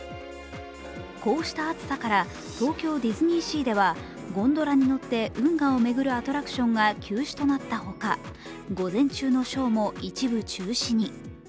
こうした暑さから東京ディズニーシーでは、ゴンドラに乗って運河を巡るアトラクションが休止となったほか午前中のショーも一部中止に。